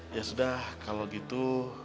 ya sudah kalau gitu